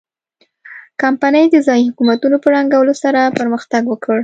کمپنۍ د ځايي حکومتونو په ړنګولو سره پرمختګ وکړ.